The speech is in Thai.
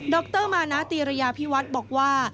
รมานาตีระยาพิวัฒน์บอกว่า